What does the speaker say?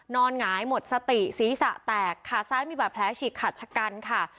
นอนหงายหมดสติศีรษะแตกขาดซ้ายมีปัจแผลชิตขัดชกันค่ะ